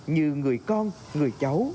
như người con người cháu